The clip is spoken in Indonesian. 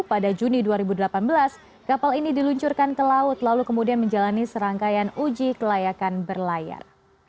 pada juni dua ribu delapan belas kapal ini diluncurkan ke laut lalu kemudian menjalani serangkaian uji kelayakan berlayar